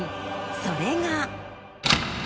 それが。